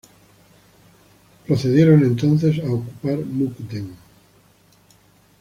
Procedieron entonces a ocupar Mukden.